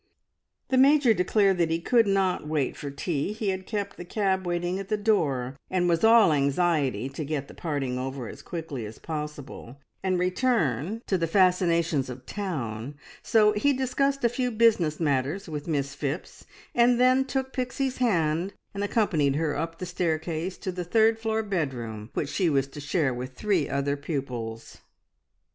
The Major declared that he could not wait for tea. He had kept the cab waiting at the door, and was all anxiety to get the parting over as quickly as possible and return to the fascinations of town, so he discussed a few business matters with Miss Phipps, and then took Pixie's hand and accompanied her up the staircase to the third floor bedroom which she was to share with three other pupils.